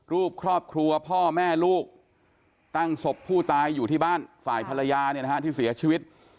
รูปครอบครัวพ่อแม่ลูกตั้งศพผู้ตายอยู่ที่บ้านฝ่ายภรรยาเนี่ยนะฮะที่เสียชีวิต